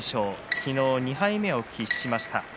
昨日、２敗目を喫しました。